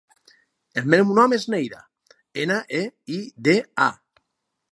El meu nom és Neida: ena, e, i, de, a.